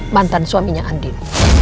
mantan suaminya andin